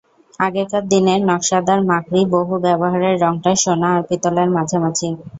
আগেকার দিনের নকশাদার মাকড়ি, বহু ব্যবহারে রঙটা সোনা আর পিতলের মাঝামাঝি।